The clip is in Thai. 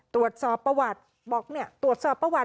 ตรวจสอบประวัติบอกเนี่ยตรวจสอบประวัติ